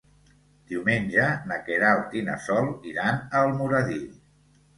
Diumenge na Queralt i na Sol iran a Almoradí.